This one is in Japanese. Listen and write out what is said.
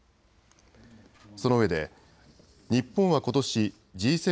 そのうえで日本はことしＧ７